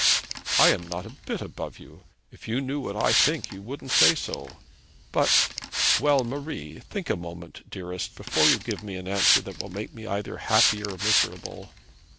'I am not a bit above you. If you knew what I think, you wouldn't say so.' 'But ' 'Well, Marie. Think a moment, dearest, before you give me an answer that shall make me either happy or miserable.'